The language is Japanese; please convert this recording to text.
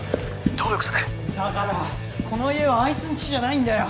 ☎どういうことだよだからこの家はあいつんちじゃないんだよ